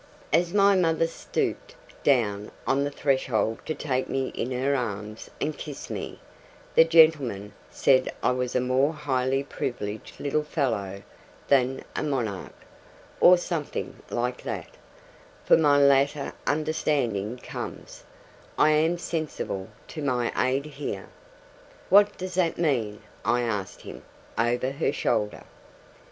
As my mother stooped down on the threshold to take me in her arms and kiss me, the gentleman said I was a more highly privileged little fellow than a monarch or something like that; for my later understanding comes, I am sensible, to my aid here. 'What does that mean?' I asked him, over her shoulder.